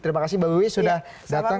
terima kasih mbak wiwi sudah datang